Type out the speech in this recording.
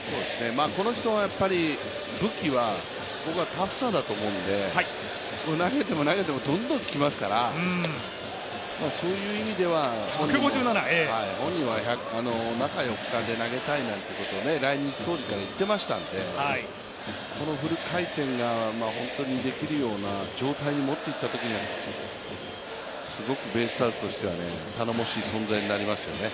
この人はやっぱり武器は僕はタフさだと思うので投げても投げてもどんどん来ますから、そういう意味では、本人は中４日で投げたいなんて来日当時から言っていましたので、フル回転が本当にできるような状態にもっていったときにはすごくベイスターズとしては頼もしい存在になりますよね。